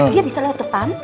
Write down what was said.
dia bisa lewat depan